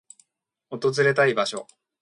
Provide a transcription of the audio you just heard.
訪れたい場所